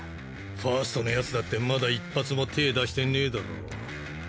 ファウストのヤツだってまだ一発も手ぇ出してねえだろ。